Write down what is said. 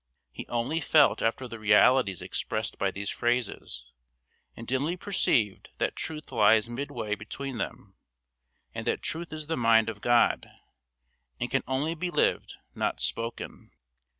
He only felt after the realities expressed by these phrases, and dimly perceived that truth lies midway between them, and that truth is the mind of God, and can only be lived, not spoken.